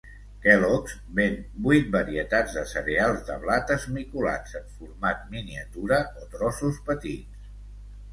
Kellogg's ven vuit varietats de cereals de blat esmicolats en format miniatura o trossos petits.